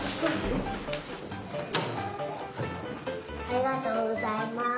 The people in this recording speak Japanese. ありがとうございます。